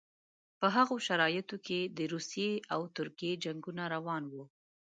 په هغو شرایطو کې د روسیې او ترکیې جنګونه روان وو.